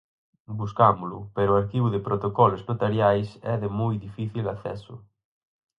Buscámolo, pero o Arquivo de Protocolos Notariais é de moi difícil acceso.